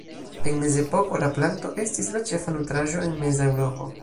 En mezepoko la planto estis la ĉefa nutraĵo en meza Eŭropo.